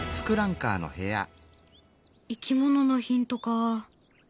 いきもののヒントか。